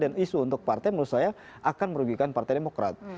dan isu untuk partai menurut saya akan merugikan partai demokrat